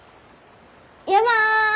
山！